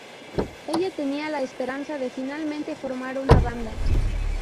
Ella tenía la esperanza de finalmente formar una banda.